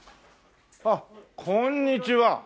あっこんにちは！